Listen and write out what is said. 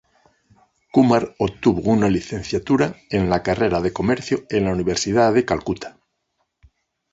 Kumar obtuvo una licenciatura en la carrera de Comercio en la Universidad de Calcuta.